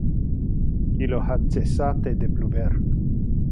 Illo ha cessate de pluver.